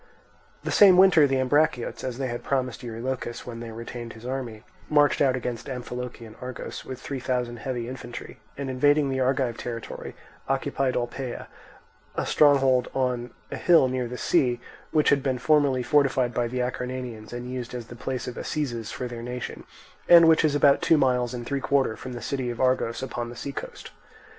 The same winter the Ambraciots, as they had promised Eurylochus when they retained his army, marched out against Amphilochian Argos with three thousand heavy infantry, and invading the Argive territory occupied Olpae, a stronghold on a hill near the sea, which had been formerly fortified by the Acarnanians and used as the place of assizes for their nation, and which is about two miles and three quarters from the city of Argos upon the sea coast.